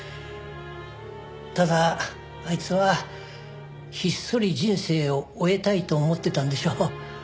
ただあいつはひっそり人生を終えたいと思ってたんでしょう。